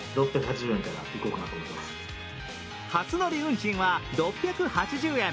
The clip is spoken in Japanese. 初乗り運賃は６８０円。